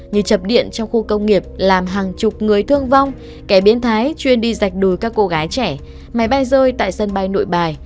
như chập điện trong khu công nghiệp làm hàng chục người thương vong kẻ biến thái chuyên đi dạch đùi các cô gái trẻ máy bay rơi tại sân bay nội bài